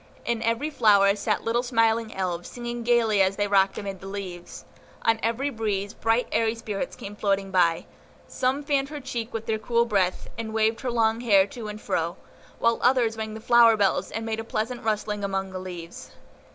In every flower sat little smiling Elves, singing gayly as they rocked amid the leaves. On every breeze, bright, airy spirits came floating by; some fanned her cheek with their cool breath, and waved her long hair to and fro, while others rang the flower bells, and made a pleasant rustling among the leaves.